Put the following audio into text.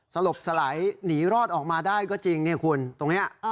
สลบสลายหนีรอดออกมาได้ก็จริงเนี่ยคุณตรงนี้